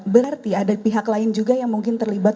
berarti ada pihak lain juga yang mungkin terlibat